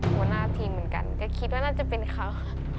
หัวหน้าทีมเหมือนกันก็คิดว่าน่าจะเป็นเขา